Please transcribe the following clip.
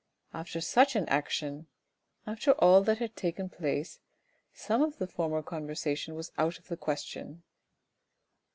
After such an action, after all that had taken place, some of the former conversation was out of the question.